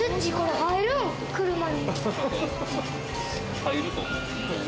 入ると思う。